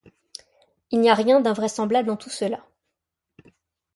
Il n'y a rien d'invraisemblable en tout cela.